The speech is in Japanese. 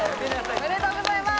おめでとうございます！